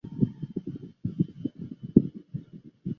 最初名为石头山。